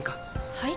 はい？